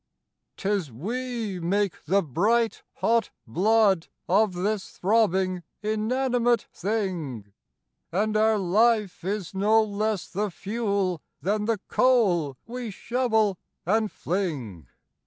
"'Tis we make the bright hot blood Of this throbbing inanimate thing; And our life is no less the fuel Than the coal we shovel and fling.